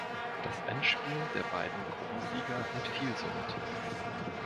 Das Endspiel der beiden Gruppensieger entfiel somit.